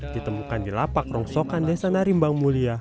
ditemukan di lapak rongsokan desa narimbang mulia